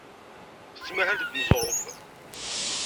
Tettmahal deg uneẓruf.